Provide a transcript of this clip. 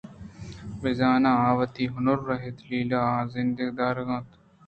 بہ زاں آ وتی ہُنر ءُ دلیلاں آہاں زندگ دارگءَ اَنت